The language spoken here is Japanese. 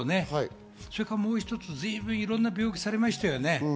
それからもう一つ、随分いろんな病気をされましたね。